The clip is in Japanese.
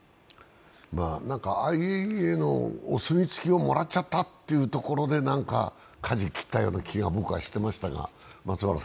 ＩＡＥＡのお墨付きをもらっちゃったというところでかじを切ったような気がしますが。